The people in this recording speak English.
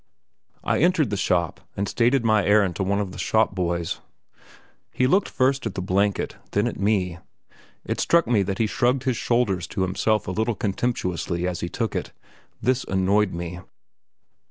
I entered the shop, and stated my errand to one of the shop boys. He looked first at the blanket, then at me. It struck me that he shrugged his shoulders to himself a little contemptuously as he took it; this annoyed me.